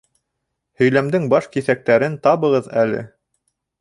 Һөйләмдең баш киҫәктәрен табығыҙ әле